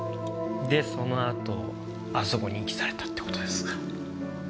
でそのあとあそこに遺棄されたって事ですか。